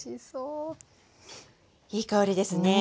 いい香りですね。